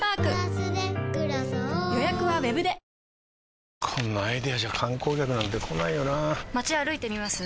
あこんなアイデアじゃ観光客なんて来ないよなあ町歩いてみます？